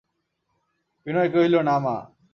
বিনয় কহিল, না, মা!